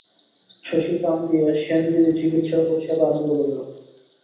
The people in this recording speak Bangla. শশী প্রাণ দিয়া সেনদিদির চিকিৎসা ও সেবা আরম্ভ করিল।